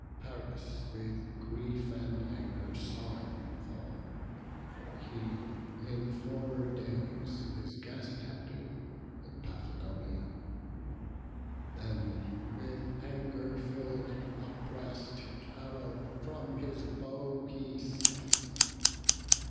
Paris with grief and anger saw him fall: For he in former days his guest had been In Paphlagonia; then, with anger fill'd, A brass tipp'd arrow from his bow he sent.